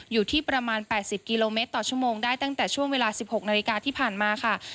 อยู่ที่ประมาณ๘๐กิโลเมตรต่อชั่วโมงได้ตั้งแต่ช่วงเวลา๑๖นาฬิกาที่ผ่านมาค่ะ